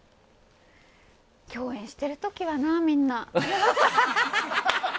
共演してる時はな、みんな。